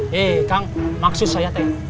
hei kang maksud saya teh